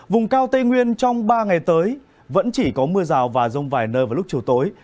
vùng cao tây nguyên trong ba ngày tới vẫn chỉ có mưa rào và rông vài nơi vào lúc chiều tối